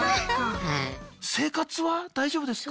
生活は大丈夫ですか？